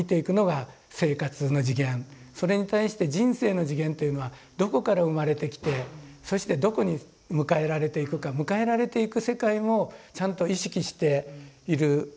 それに対して人生の次元っていうのはどこから生まれてきてそしてどこに迎えられていくか迎えられていく世界もちゃんと意識している。